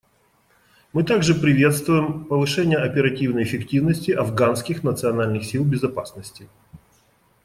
Мы также приветствуем повышение оперативной эффективности Афганских национальных сил безопасности.